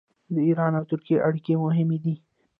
د ایران او ترکیې اړیکې مهمې دي.